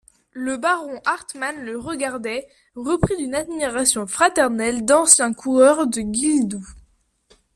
Le baron Hartmann le regardait, repris d'une admiration fraternelle d'ancien coureur de guilledou.